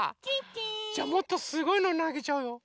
じゃあもっとすごいのなげちゃうよ。